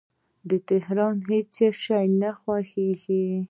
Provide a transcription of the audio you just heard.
د تهران هیڅ شی نه خوښیږي